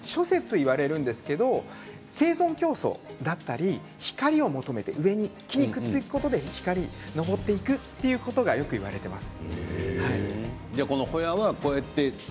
諸説いわれるんですけど生存競争だったり光を求めて木にくっつくことで光にのぼっていくということがよく言われています。